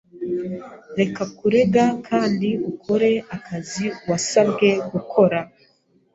Reka kurega kandi ukore akazi wasabwe gukora.